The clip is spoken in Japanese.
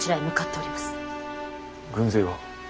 軍勢は？